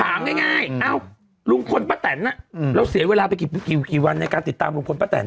ง่ายลุงพลป้าแตนเราเสียเวลาไปกี่วันในการติดตามลุงพลป้าแตน